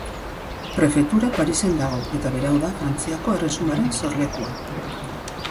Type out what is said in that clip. Prefetura Parisen dago eta berau da Frantziako Erresumaren sorlekua.